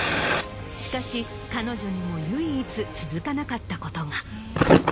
しかし彼女にも唯一続かなかったことが。